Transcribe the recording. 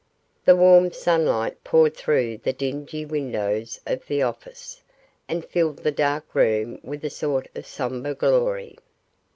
The warm sunlight poured through the dingy windows of the office, and filled the dark room with a sort of sombre glory.